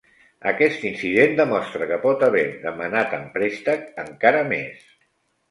Aquest incident demostra que pot haver demanat en préstec encara més.